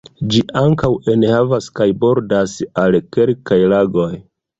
Gi ankaŭ enhavas kaj bordas al kelkaj lagoj.